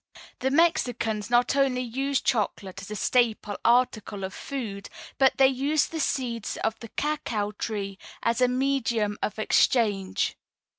The Mexicans not only used chocolate as a staple article of food, but they used the seeds of the cacao tree as a medium of exchange.